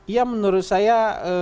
iya menurut saya